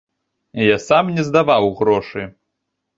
Я сам не здаваў грошы.